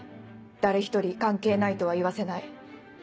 誰一人関係ないとは言わせない。